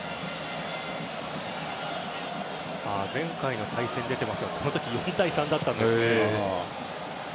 前回の対戦が出ていますがこの時、４対３だったんですね。